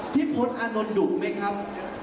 พี่พดอ๋านนท์ดุบไหมครับ